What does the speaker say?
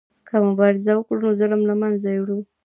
که مبارزه وکړو نو ظلم له منځه وړو.